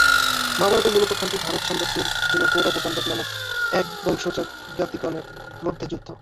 মহাভারতের মূল উপাখ্যানটি ভারত-সাম্রাজ্যের জন্য কৌরব ও পাণ্ডব নামক একবংশজাত জ্ঞাতিগণের মধ্যে যুদ্ধ।